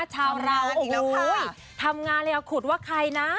เข้าร้านอีกแล้วค่ะโอ้โห้ยทำงานแล้วขุดว่าใครนะ